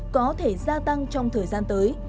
có thể gia tăng trong thời gian tới